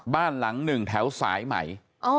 บ้านหลังหนึ่งแถวสายใหม่